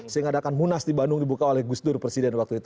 sehingga ada munas di bandung dibuka oleh gus dur begitu tentu saat itu